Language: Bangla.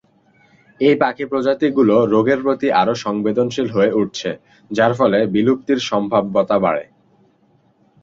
এই পাখি প্রজাতিগুলো রোগের প্রতি আরো সংবেদনশীল হয়ে উঠছে, যার ফলে বিলুপ্তির সম্ভাব্যতা বাড়ে।